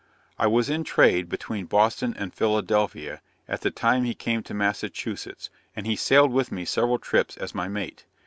I was in trade, between Boston and Philadelphia, at the time he came to Massachusetts, and he sailed with me several trips as my mate.